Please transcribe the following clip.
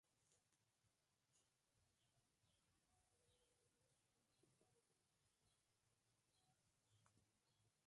Impulsó la fundación del Partido Demócrata Cristiano de la Argentina.